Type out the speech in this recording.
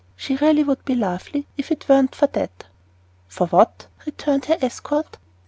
She really would be lovely if it weren't for THAT!" "For what?" returned her escort.